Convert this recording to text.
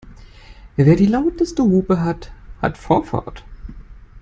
Wer die lauteste Hupe hat, hat Vorfahrt.